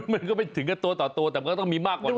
ไม่ถึงแค่อย่างนั้นต้องมีที่มากกว่านี้